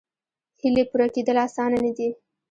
هیلې پوره کېدل اسانه نه دي.